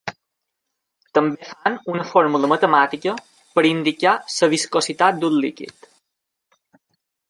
També fan una fórmula matemàtica per a indicar la viscositat d’un líquid.